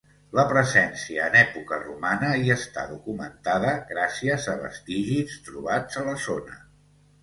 La presència en època romana hi està documentada gràcies a vestigis trobats a la zona.